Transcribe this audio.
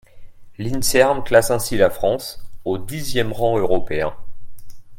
L’INSERM classe ainsi la France au dixième rang européen.